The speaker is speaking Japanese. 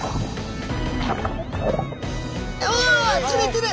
おお釣れてる！